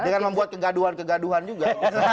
dengan membuat kegaduhan kegaduhan juga